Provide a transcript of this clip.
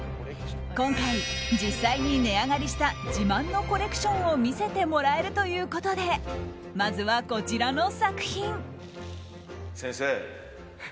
今回、実際に値上がりした自慢のコレクションを見せてもらえるということでまずは、こちらの作品。